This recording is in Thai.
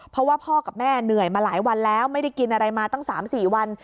เพราะว่าพ่อกับแม่เหนื่อยมาหลายวันแล้วไม่ได้กินอะไรมาตั้ง๓๔วัน